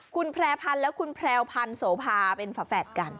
คุณแพร่พันธ์และคุณแพรวพันธ์โสภาเป็นฝาแฝดกัน